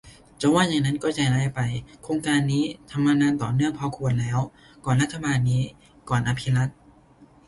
จะว่าอย่างนั้นก็ใจร้ายไป โครงการนี้ทำมานานต่อเนื่องพอควรแล้ว ก่อนรัฐบาลนี้ ก่อนอภิรักษ์